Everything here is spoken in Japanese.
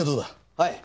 はい。